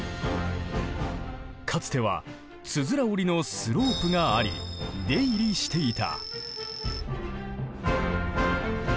かつてはつづら折りのスロープがあり出入りしていた。